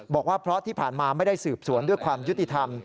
บอกว่าเพราะที่ผ่านมาไม่ได้สืบสวนด้วยความยุติธรรม